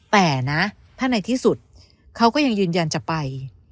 แต่นะถ้าในที่สุดเขาก็ยังยืนยันจะไป